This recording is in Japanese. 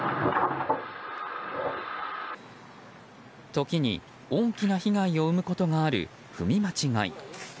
時に大きな被害を生むことがある、踏み間違い。